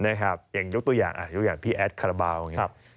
อย่างยุคตัวอย่างพี่แอดคาราบาล